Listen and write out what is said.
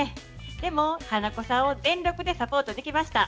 でも花子さんを全力でサポートできました。